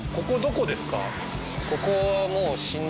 ここはもう。